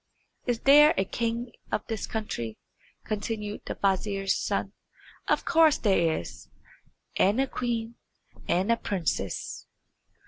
"Is there a king of this country?" continued the vizier's son. "Of course there is, and a queen, and a princess."